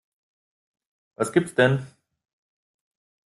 Was gibt's denn?